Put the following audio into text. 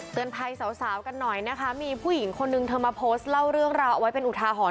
ภัยสาวกันหน่อยนะคะมีผู้หญิงคนนึงเธอมาโพสต์เล่าเรื่องราวเอาไว้เป็นอุทาหรณ